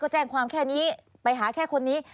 แจ้งความแค่นี้ไปหาแค่คนนี้